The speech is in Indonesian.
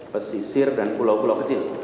pesisir dan pulau pulau kecil